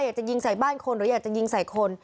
อยากจะยิงใส่บ้านคนหรืออยากจะยิงใส่คน